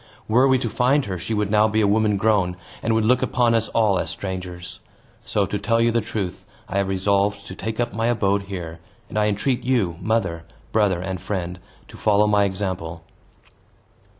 Were we to find her, she would now be a woman grown, and would look upon us all as strangers. So, to tell you the truth, I have resolved to take up my abode here; and I entreat you, mother, brother, and friend, to follow my example."